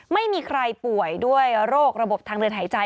ไม่มีใครป่วยด้วยโรคระบบทางเดินหายใจ